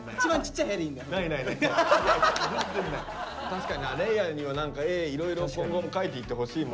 確かに嶺亜には何か絵いろいろ今後も描いていってほしいもんな。